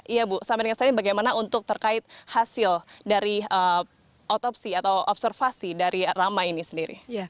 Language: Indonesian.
iya bu sampai dengan saat ini bagaimana untuk terkait hasil dari otopsi atau observasi dari rama ini sendiri